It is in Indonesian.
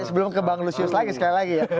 sebelum ke bang lusius lagi sekali lagi ya